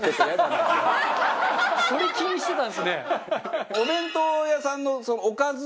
中丸：それ気にしてたんですね。